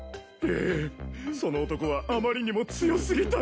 ええその男はあまりにも強すぎたのです。